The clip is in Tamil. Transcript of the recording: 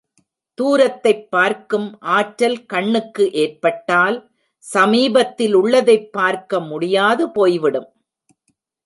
தூரத்தைப் பார்க்கும் ஆற்றல் கண்ணுக்கு ஏற்பட்டால், சமீபத்திலுள்ளதைப் பார்க்க முடியாது போய்விடும்.